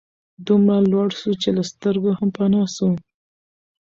دومره لوړ سو چي له سترګو هم پناه سو